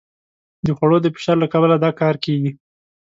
د خوړو د فشار له کبله دا کار کېږي.